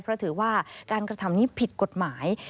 เพราะถือว่าการกระทำนี้ผิดกฎหมาย